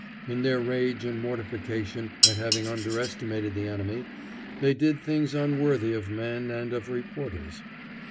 In their rage and mortification at having underestimated the enemy, they did things unworthy of men and of reporters.